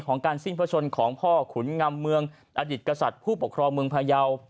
การสิ้นพระชนของพ่อขุนงำเมืองอดิษฐกษัตริย์ผู้ปกครองเมืองพยาว